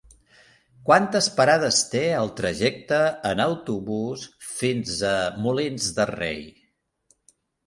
Quantes parades té el trajecte en autobús fins a Molins de Rei?